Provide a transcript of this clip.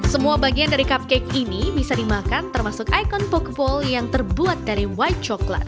semua bagian dari cupcake ini bisa dimakan termasuk ikon pokeball yang terbuat dari white coklat